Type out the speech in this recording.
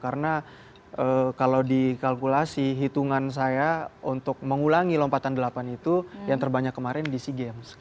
karena kalau dikalkulasi hitungan saya untuk mengulangi lompatan delapan itu yang terbanyak kemarin di sea games